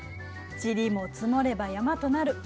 「塵も積もれば山となる」。